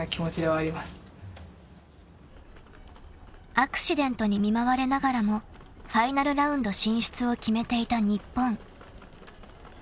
［アクシデントに見舞われながらもファイナルラウンド進出を決めていた日本］